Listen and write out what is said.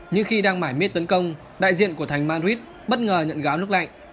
nhưng khi đang mải mết tấn công đại diện của thành madrid bất ngờ nhận gáo nước lạnh